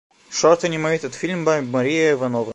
Short animated film by Maria Ivanova.